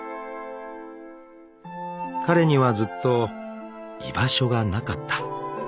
［彼にはずっと居場所がなかった］